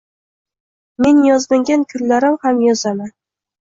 Men yozmagan kunlarim ham yozaman